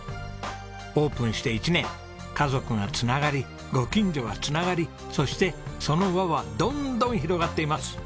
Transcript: オープンして１年家族がつながりご近所がつながりそしてその輪はどんどん広がっています。